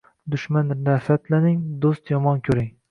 Dushman nafratlaning, do’st yomon ko’ring